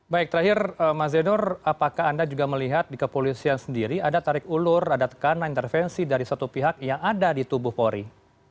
baik terakhir mas zainur apakah anda juga melihat di kepolisian sendiri ada tarik ulur ada tekanan intervensi dari satu pihak yang ada di tubuh polri